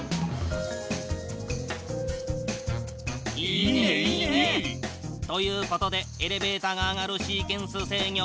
いいねいいね！ということでエレベータが上がるシーケンス制御。